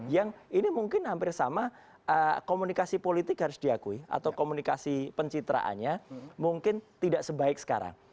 yang ini mungkin hampir sama komunikasi politik harus diakui atau komunikasi pencitraannya mungkin tidak sebaik sekarang